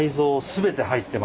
全て！